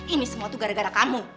ini semua tuh gara gara kamu